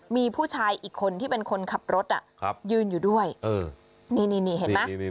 มีผู้ชายอีกคนที่เป็นคนขับรถอ่ะยืนอยู่ด้วยนี่เห็นมั้ย